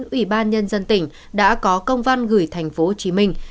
ủy ban nhân dân tỉnh đã có công văn gửi thành phố hồ chí minh